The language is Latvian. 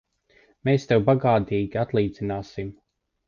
Mēs tev bagātīgi atlīdzināsim!